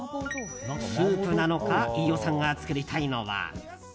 スープなのか飯尾さんが作りたいのは。